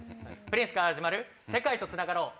プリンスから始まる世界と繋がろう‼